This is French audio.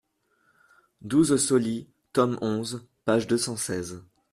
douze Sauli, tome onze, page deux cent seize.